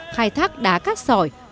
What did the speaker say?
khai thác đá cát sỏi